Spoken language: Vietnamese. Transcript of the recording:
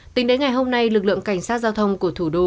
tính đến ngày hôm nay lực lượng cảnh sát giao thông của thủ đô